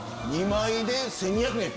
２枚で１２００円。